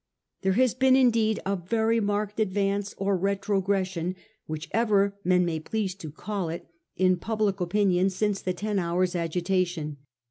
There has been indeed a very marked advance or retrogression, whichever men may please to call it, in public opinion since the ten hours' agita tion.